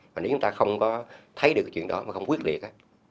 và nếu chúng ta không có thấy được cái chuyện đó mà không quyết liệt